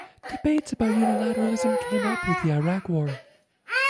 Debates about unilateralism came up with the Iraq War.